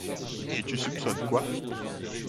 Et tu soupçonnes quoi ?